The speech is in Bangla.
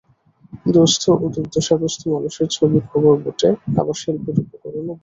দুস্থ ও দুর্দশাগ্রস্ত মানুষের ছবি খবর বটে, আবার শিল্পের উপকরণও বটে।